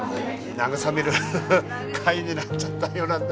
なぐさめる会になっちゃったようなんだ